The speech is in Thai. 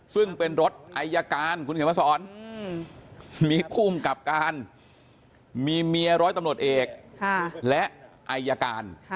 ซึ่งเป็นรถไอยการมีภูมิกับการมีเมียร้อยตำรวจเอกและไอยการ